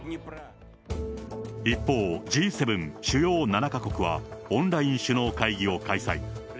一方、Ｇ７・主要７か国はオンライン首脳会議を開催。